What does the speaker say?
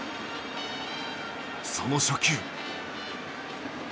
その初球。